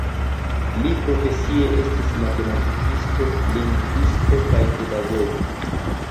Li profesie estis matematikisto, lingvisto kaj pedagogo.